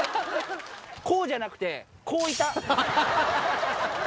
こうじゃなくて、こういた。